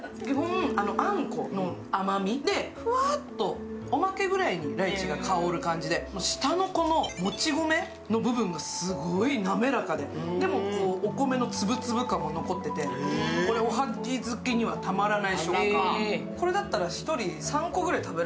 あんこの甘みでふわーっとおまけぐらいにライチが香る感じで、下のもち米の部分がすごい滑らかででも、お米の粒々感も残ってて、これ、おはぎ好きにはたまらない食感。